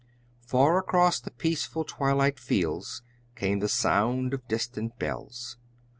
Far across the peaceful twilight fields came the sound of distant bells.